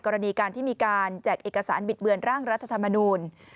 กรณีการที่มีการแจกเอกสารบิดเบือนร่างรัฐธรรมนูล